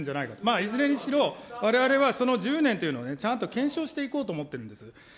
いずれにしろ、われわれはその１０年というの、ちゃんと検証していこうと思ってるんです。